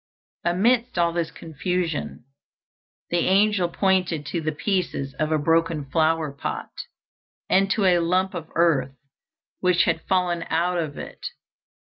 Amidst all this confusion, the angel pointed to the pieces of a broken flower pot, and to a lump of earth which had fallen out of it.